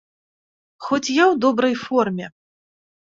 Хоць я ў добрай форме.